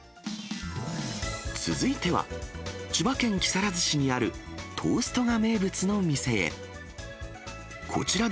続いては、千葉県木更津市にあるトーストが名物の店へ。